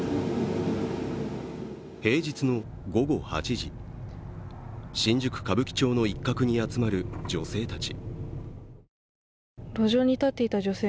平日の午後８時、新宿歌舞伎町の一角に集まる女性たち。